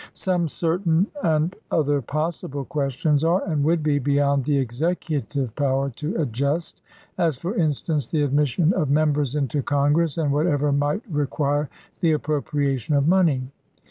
Some certain, and other possible, questions are, and would be, beyond the Executive power to adjust j as, for instance, the admis sion of members into Congress, and whatever might re quire the appropriation of money.